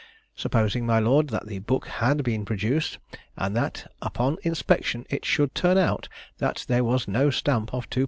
Supposing, my lord, that the book had been produced, and that upon inspection it should turn out that there was no stamp of 2_l.